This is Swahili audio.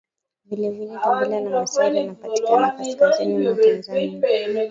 vile vile kabila la maasai linapatikana kaskazini mwa Tanzania